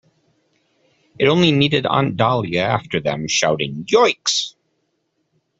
It only needed Aunt Dahlia after them, shouting "Yoicks!"